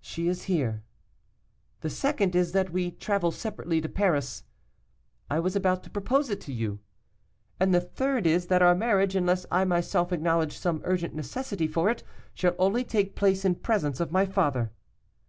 She is here. 'The second is, that we travel separately to Paris.' 'I was about to propose it to you.' 'And the third is, that our marriage, unless I myself acknowledge some urgent necessity for it, shall only take place in presence of my father.